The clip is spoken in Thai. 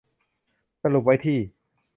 สรุปไว้ที่